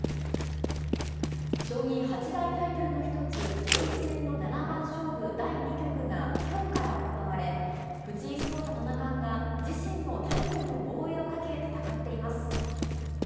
将棋八大タイトルの一つ、王位戦の七番勝負第２局がきょうから行われ、藤井聡太七冠が自身のタイトルの防衛をかけ、戦っています。